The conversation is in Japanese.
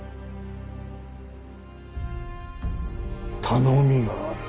頼みがある。